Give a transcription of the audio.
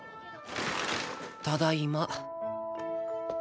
ただいま。